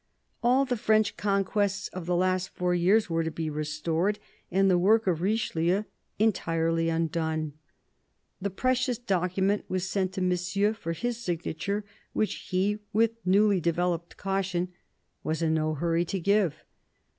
All the French conquests of the last four years were to be restored, and the work of Richelieu entirely undone. The precious document was sent to Monsieur for his signature, which he, with newly developed caution, was in no hurry to give.